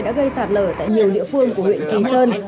đã gây sạt lở tại nhiều địa phương của huyện kỳ sơn